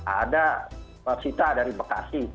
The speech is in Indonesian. ada sita dari bekasi